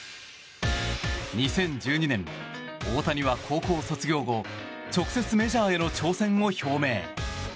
２０１２年、大谷は高校卒業後直接メジャーへの挑戦を表明。